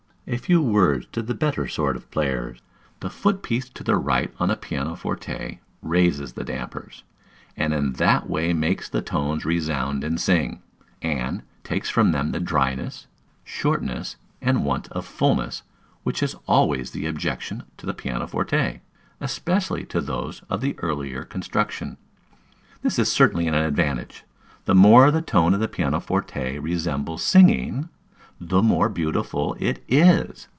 A few words to the better sort of players. The foot piece to the right on the piano forte raises the dampers, and in that way makes the tones resound and sing, and takes from them the dryness, shortness, and want of fulness, which is always the objection to the piano forte, especially to those of the earlier construction. This is certainly an advantage; the more the tone of the piano forte resembles singing, the more beautiful it is.